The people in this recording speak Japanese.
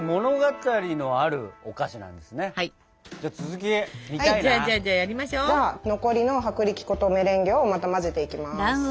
じゃあ残りの薄力粉とメレンゲをまた混ぜていきます。